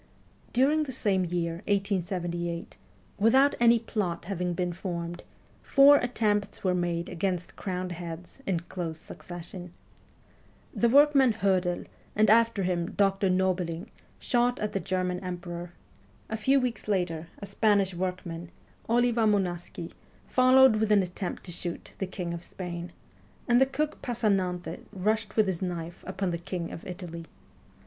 During the same year, 1878, without any plot having been formed, four attempts were made against crowned heads in close succession. The workman Hoedel, and after him Dr. Nobiling, shot at the German Emperor ; a few weeks later, a Spanish workman, Oliva Moncasi, followed with an attempt to shoot the King of Spain, and the cook Passanante rushed with his knife upon the King of Italy.